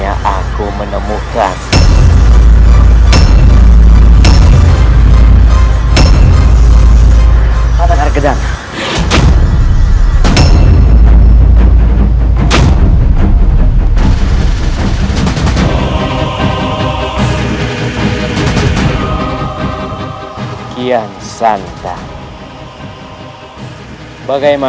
ya allah semoga kakinya tidak ada apa apa